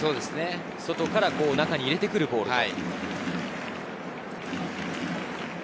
外から中に入れてくるボールと。